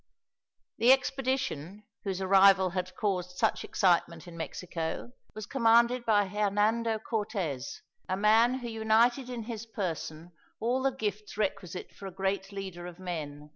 The expedition, whose arrival had caused such excitement in Mexico, was commanded by Hernando Cortez, a man who united in his person all the gifts requisite for a great leader of men.